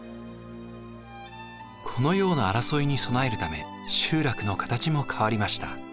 このような争いに備えるため集落の形も変わりました。